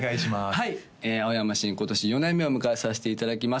はい青山新今年４年目を迎えさせていただきます